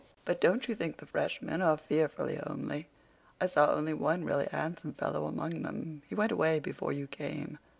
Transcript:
But don't you think the freshmen are fearfully homely? I saw only one really handsome fellow among them. He went away before you came.